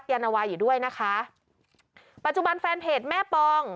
ยานวาอยู่ด้วยนะคะปัจจุบันแฟนเพจแม่ปอง